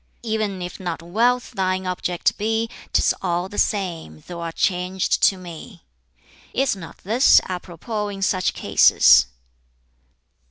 'E'en if not wealth thine object be, 'Tis all the same, thou'rt changed to me.' "Is not this apropos in such cases?"